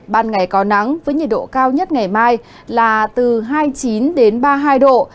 ban ngày có nắng với nhiệt độ cao nhất ngày mai là từ hai mươi chín ba mươi hai độ